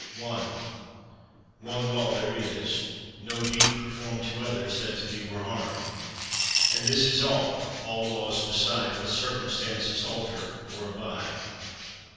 \ I One law there is: no deed perform To others that to thee were harm; And this is all, all laws beside With circimistances alter or abide.